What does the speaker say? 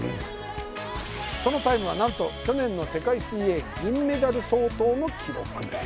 そのタイムはなんと去年の世界水泳銀メダル相当の記録です